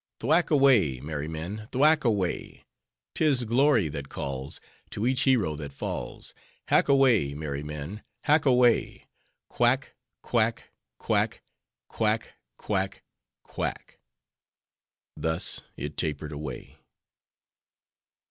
Thwack away, merry men, thwack away! 'Tis glory that calls, To each hero that falls, Hack away, merry men, hack away! Quack! Quack! Quack! Quack! Quack! Quack! Thus it tapered away.